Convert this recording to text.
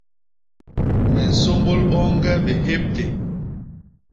Me nsômbôl boñge bihébté.